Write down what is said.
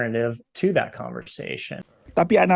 dan itu adalah alternatif yang berguna untuk perbicaraan itu